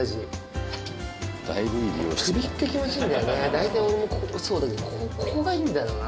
大体俺もそうだけどここがいいんだろうな。